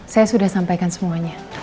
saya sudah sampaikan semuanya